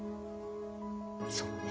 そうね。